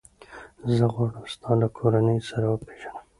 زه غواړم ستا له کورنۍ سره وپېژنم.